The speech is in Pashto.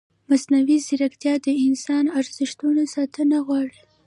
مصنوعي ځیرکتیا د انساني ارزښتونو ساتنه غواړي.